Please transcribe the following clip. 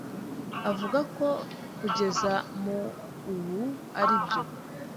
Avuga ko kugeza mu ubu aribyo.